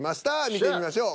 見てみましょう。